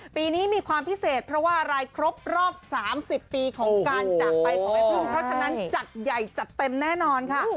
ปีนี้มีความพิเศษเพราะว่ารายครบรอบ๓๐ปีของการจากไปของแม่พึ่งเพราะฉะนั้นจัดใหญ่จัดเต็มแน่นอนค่ะ